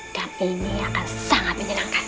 dan ini akan sangat menyenangkan